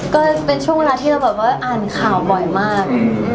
ก็เป็นช่วงเวลาที่เราแบบว่าอ่านข่าวบ่อยมาก